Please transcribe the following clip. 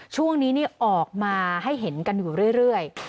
ช่วงนี้ออกมาให้เห็นกันอยู่เรื่อย